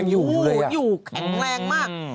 อยู่อยู่แข็งแรงมาก